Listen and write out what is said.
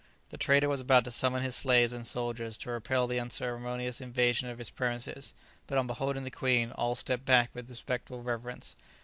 The trader was about to summon his slaves and soldiers to repel the unceremonious invasion of his premises, but on beholding the queen all stepped back with respectful reverence.